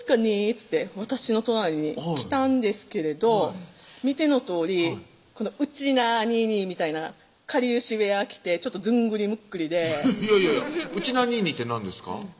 っつって私の隣に来たんですけれど見てのとおりうちなーにぃにぃみたいなかりゆしウエア着てずんぐりむっくりでいやいやうちなーにぃにぃって何ですか？